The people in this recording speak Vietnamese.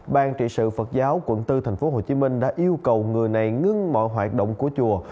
ban trị sự phật giáo quận bốn tp hcm đã yêu cầu người này ngưng mọi hoạt động của chùa